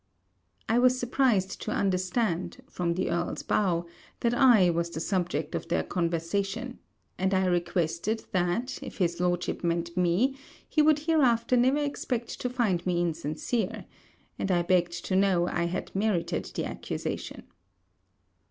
I was surprised to understand, from the Earl's bow, that I was the subject of their conversation; and I requested, that, if his Lordship meant me, he would hereafter never expect to find me insincere; and I begged to know I had merited the accusation.